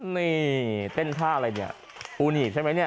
นี่เต้นท่าอะไรเนี่ยปูหนีบใช่ไหมเนี่ย